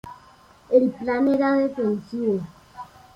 El plan era defensivo.